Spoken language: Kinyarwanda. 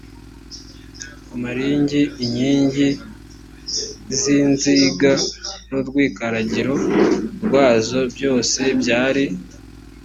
amaringi inkingi z inziga n urwikaragiro rwazo byose byari